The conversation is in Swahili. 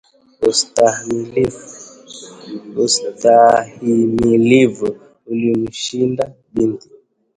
Ustahimilivu ulimshinda binti